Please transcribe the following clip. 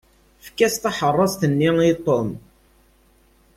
Efk-as taḥeṛṛast-nni i Ṭom.